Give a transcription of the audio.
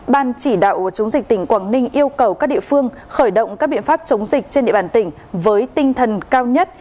ban chỉ đạo chống dịch tỉnh quảng ninh yêu cầu các địa phương khởi động các biện pháp chống dịch trên địa bàn tỉnh với tinh thần cao nhất